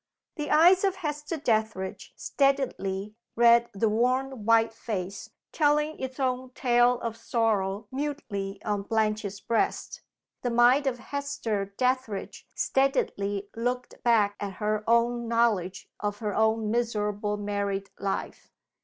The eyes of Hester Dethridge steadily read the worn white face, telling its own tale of sorrow mutely on Blanche's breast. The mind of Hester Dethridge steadily looked back at her own knowledge of her own miserable married life.